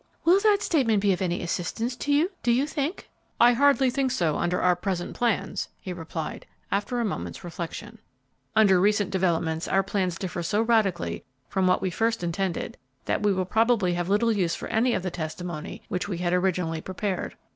"Will that statement be of any assistance to you, do you think?" "I hardly think so under our present plans," he replied, after a moment's reflection; "under recent developments our plans differ so radically from what we first intended, that we will probably have little use for any of the testimony which we had originally prepared."